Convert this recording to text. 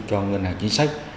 cho ngân hàng chính sách